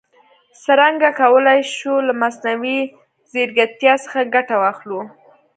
څرنګه کولای شو له مصنوعي ځیرکتیا څخه ګټه واخلو؟